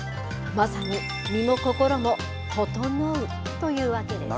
まさに身も心もととのうというわけです。